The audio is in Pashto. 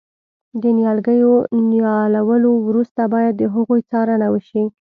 د نیالګیو نیالولو وروسته باید د هغوی څارنه وشي.